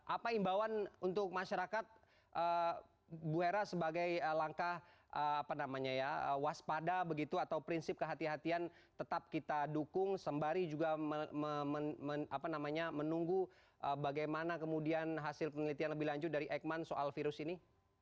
apa imbauan untuk masyarakat bu hera sebagai langkah apa namanya ya waspada begitu atau prinsip kehatian tetap kita dukung sembari juga menunggu bagaimana kemudian hasil penelitian lebih lanjut dari eijkman soal virus ini